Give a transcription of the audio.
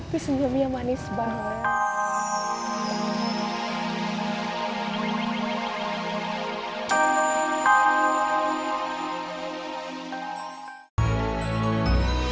nih senyumnya manis banget